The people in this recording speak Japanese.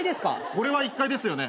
これは１階ですよね？